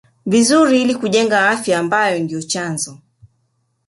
vizuri ili kujenga afya ambayo ndio chanzo